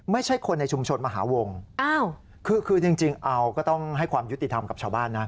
ไม่ใช่คนในชุมชนมหาวงคือคือจริงเอาก็ต้องให้ความยุติธรรมกับชาวบ้านนะ